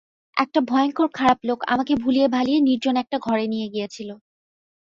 একটা ভয়ঙ্কর খারাপ লোক আমাকে ভুলিয়ে-ভালিয়ে নির্জন একটা ঘরে নিয়ে গিয়েছিল।